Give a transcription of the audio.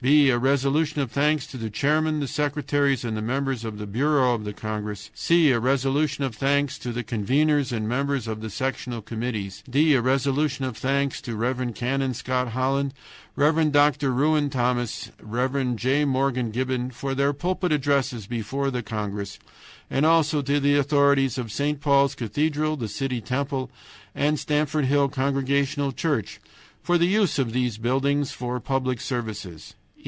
"b. A resolution of thanks to the chairman, the secretaries, and the members of the bureau of the congress. "c. A resolution of thanks to the conveners and members of the sectional committees. "d. A resolution of thanks to Rev. Canon Scott Holland, Rev. Dr. Reuen Thomas, and Rev. J. Morgan Gibbon for their pulpit addresses before the congress, and also to the authorities of St. Paul's Cathedral, the City Temple, and Stamford Hill Congregational Church for the use of those buildings for public services.